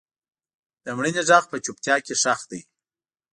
د مړینې غږ په چوپتیا کې ښخ دی.